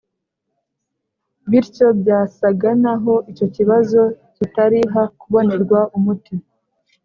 Bityo byasaga naho icyo kibazo kitari ha kubonerwa umuti